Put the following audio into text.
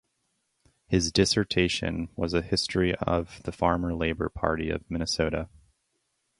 His dissertation was a history of the Farmer-Labor Party of Minnesota.